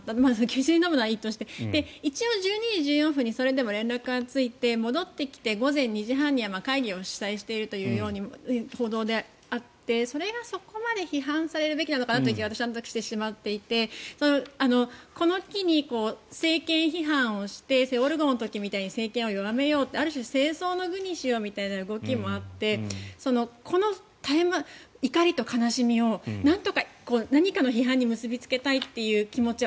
休日に飲むのはいいとして一応１２時１４分にそれでも連絡がついて戻ってきて午前２時半には会議を主催しているというように報道であって、それはそこまで批判されるべきなのかなと私は何となくしてしまっていてこの機に、政権批判をして「セウォル号」の時みたいに政権をゆがめようというある種、政争の具にしようみたいな動きもあってこの怒りと悲しみをなんとか何かの批判に結びつけたいという気持ち